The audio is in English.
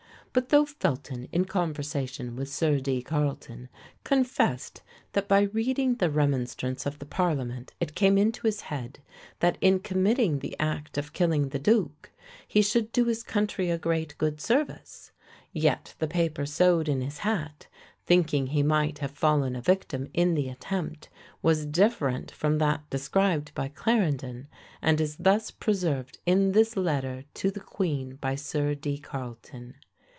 But though Felton, in conversation with Sir D. Carleton, confessed that by reading the remonstrance of the parliament it came into his head, that in committing the act of killing the duke he should do his country a great good service; yet the paper sewed in his hat, thinking he might have fallen a victim in the attempt, was different from that described by Clarendon, and is thus preserved in this letter to the queen by Sir D. Carleton.